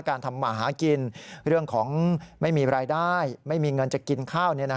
ทำมาหากินเรื่องของไม่มีรายได้ไม่มีเงินจะกินข้าว